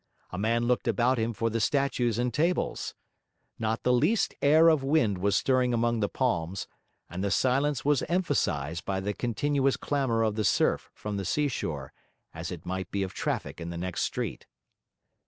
A man looked about him for the statues and tables. Not the least air of wind was stirring among the palms, and the silence was emphasised by the continuous clamour of the surf from the seashore, as it might be of traffic in the next street.